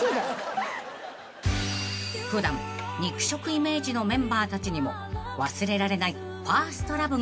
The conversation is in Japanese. ［普段肉食イメージのメンバーたちにも忘れられないファーストラブがあったようで］